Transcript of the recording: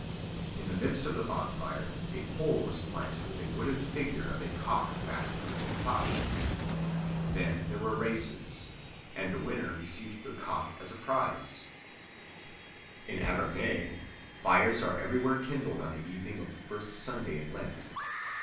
In the midst of the bonfire a pole was planted with a wooden figure of a cock fastened to the top. Then there were races, and the winner received the cock as a prize. In Auvergne fires are everywhere kindled on the evening of the first Sunday in Lent.